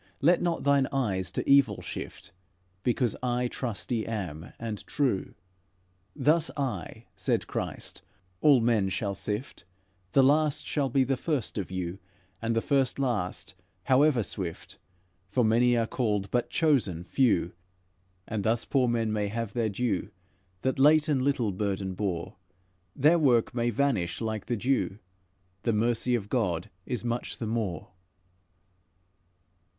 Let not thine eyes to evil shift, Because I trusty am, and true.' 'Thus I,' said Christ, 'all men shall sift. The last shall be the first of you; And the first last, however swift, For many are called, but chosen, few.' And thus poor men may have their due, That late and little burden bore; Their work may vanish like the dew, The mercy of God is much the more."